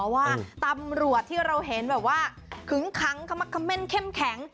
ว่าตำรวจที่เราเห็นแบบว่าขึ้นคั้งขมันเข้มแข็ง